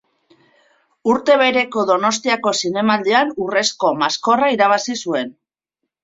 Urte bereko Donostiako Zinemaldian Urrezko Maskorra irabazi zuen.